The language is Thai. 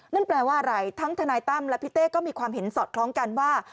นั่นแปลว่าอะไรทั้งทนายตั้มและพี่เต้ก็มีความเห็นสอดคล้องกันว่า